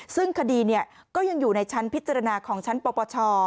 ซึ่งคดีก็ยังอยู่ในชั้นพิจารณาของชั้นปปช